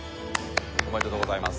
おめでとうございます。